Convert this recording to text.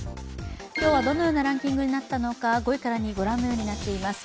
今日はどのようなランキングになったのか５位から２位ご覧のようになっています。